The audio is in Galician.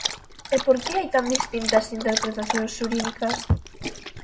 E ¿por que hai tan distintas interpretacións xurídicas?